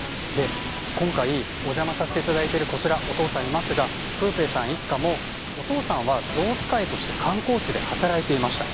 今回お邪魔させていただいているこちらにお父さんいますがプーペーさん一家もお父さんはゾウ使いとして観光地で働いていました。